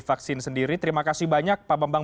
vaksin sendiri terima kasih banyak pak bambang